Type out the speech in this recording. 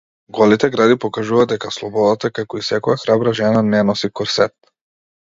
Голите гради покажуваат дека слободата, како и секоја храбра жена, не носи корсет.